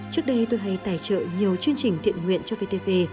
trước đây tôi hay tài trợ nhiều chương trình thiện nguyện cho vtv